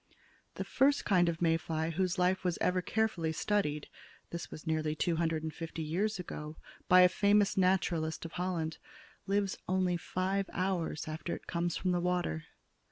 The first kind of May fly whose life was ever carefully studied this was nearly two hundred and fifty years ago, by a famous naturalist of Holland lives only five hours after it comes from the water.